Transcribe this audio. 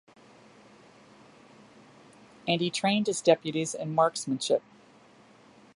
And he trained his deputies in marksmanship.